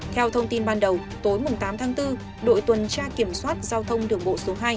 theo thông tin ban đầu tối tám tháng bốn đội tuần tra kiểm soát giao thông đường bộ số hai